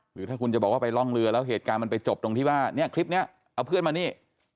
หรือถ้าคุณจะบอกว่าไปร่องเรือแล้วเหตุการณ์มันไปจบตรงที่ว่าเนี่ยคลิปนี้เอาเพื่อนมานี่